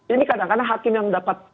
ini kadang kadang hakim yang dapat